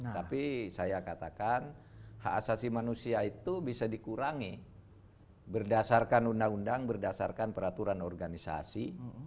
tapi saya katakan hak asasi manusia itu bisa dikurangi berdasarkan undang undang berdasarkan peraturan organisasi